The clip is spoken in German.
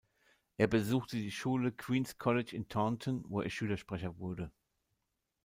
Er besuchte die Schule Queen’s College in Taunton, wo er Schülersprecher wurde.